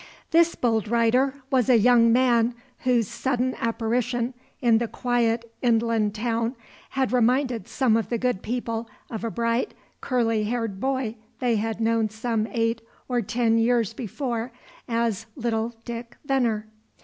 This bold rider was a young man whose sudden apparition in the quiet inland town had reminded some of the good people of a bright, curly haired boy they had known some eight or ten years before as little Dick Venner.